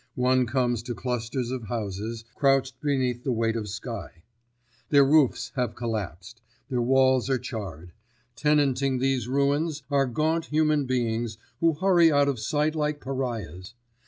One comes to clusters of houses, crouched beneath the weight of sky. Their roofs have collapsed; their walls are charred. Tenanting these ruins are gaunt human beings who hurry out of sight like pariahs.